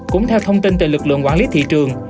cũng theo thông tin từ lực lượng quản lý thị trường